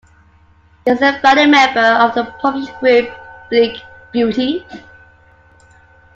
He is the founding member of the publishing group Bleak Beauty.